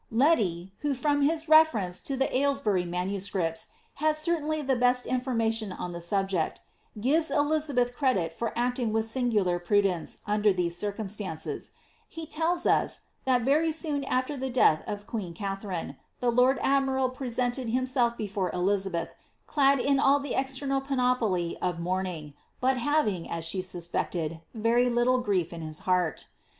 Leti, who, from his reference to the Aylesbury MSB., had certainly the best information on the subject, gives Elizabeth credit for acting with singular prudence under these circumstances : he tells us, that very soon after the death of queen Katharine, the lord admiral presentisd liimself before Elizabeth, clad in all the external panoply of mourning, but having, as she suspected, very little grief in his heart.